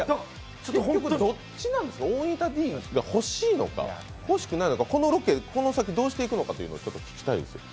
どっちなんですか、大仁田Ｄが欲しいのか欲しくないのか、このロケ、この先どうしていくのかというのを聞きたいです。